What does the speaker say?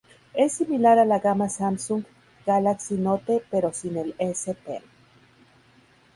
Es similar a la gama Samsung Galaxy Note pero sin el "S Pen".